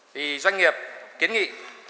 thì doanh nghiệp kiến nghị